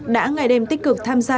đã ngày đêm tích cực tham gia